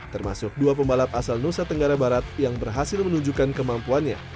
termasuk dua pembalap asal nusa tenggara barat yang berhasil menunjukkan kemampuannya